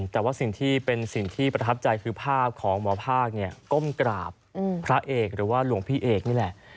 แต่ว่าสิ่งที่เป็นสิ่งที่ประทับใจคือภาพของหมอภาคก้มกราบพระเอกหรือว่าหลวงพี่เอกนี่แหละ